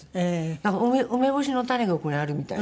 なんか梅干しの種がここにあるみたいな。